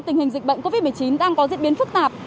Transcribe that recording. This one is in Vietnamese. tình hình dịch bệnh covid một mươi chín đang có diễn biến phức tạp